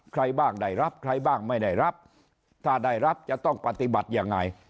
ใครบ้างได้รับใครบ้างไม่ได้รับถ้าได้รับจะต้องปฏิบัติยังไง